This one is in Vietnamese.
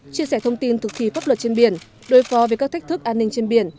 chia sẻ thông tin thực thi pháp luật trên biển đối phó với các thách thức an ninh trên biển